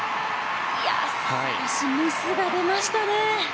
少しミスが出ましたね。